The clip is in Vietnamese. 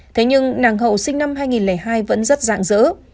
thế nhưng nàng hậu sinh năm hai nghìn hai vẫn rất dạng dỡ